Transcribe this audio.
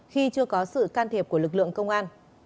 khi chưa có sự can thiệp của lực lượng công an